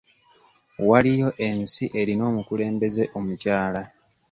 Waliyo ensi erina omukulembeze omukyala.